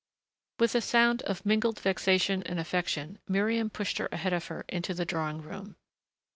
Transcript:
With a sound of mingled vexation and affection Miriam pushed her ahead of her into the drawing room.